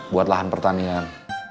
buat lahan pertanian